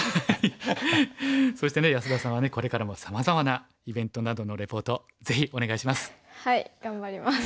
そしてね安田さんはこれからもさまざまなイベントなどのレポートぜひお願いします。